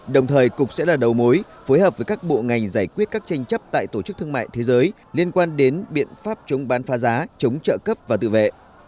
đồng thời cục sẽ là đầu mối phối hợp với các bộ ngành giải quyết các tranh chấp tại tổ chức thương mại thế giới liên quan đến biện pháp chống bán phá giá chống trợ cấp và tự vệ